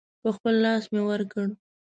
په خپل لاس مې ورکړ.